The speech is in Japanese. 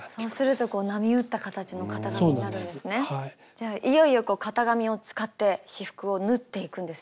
じゃあいよいよ型紙を使って仕覆を縫っていくんですね。